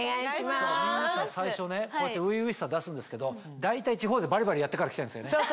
皆さん最初ねこうやって初々しさ出すんですけど大体地方でバリバリやってから来てるんですよね。